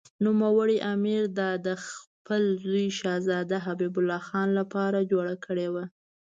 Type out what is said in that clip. نوموړي امیر دا د خپل زوی شهزاده حبیب الله خان لپاره جوړه کړې وه.